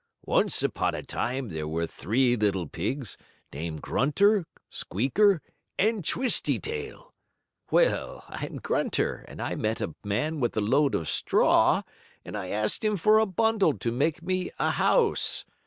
'Once upon a time there were three little pigs, named Grunter, Squeaker and Twisty Tail.' Well, I'm Grunter, and I met a man with a load of straw, and I asked him for a bundle to make me a house.